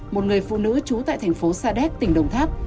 một người phụ nữ trú tại thành phố sa đéc tỉnh đồng tháp